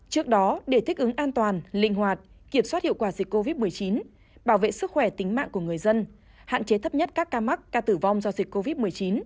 trước đó để thích ứng an toàn linh hoạt kiểm soát hiệu quả dịch covid một mươi chín bảo vệ sức khỏe tính mạng của người dân hạn chế thấp nhất các ca mắc ca tử vong do dịch covid một mươi chín